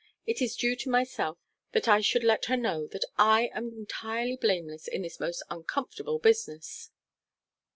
It is due to myself that I should let her know that I am entirely blameless in this most uncomfortable business.'